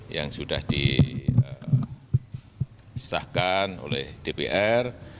yang sudah disahkan oleh dpr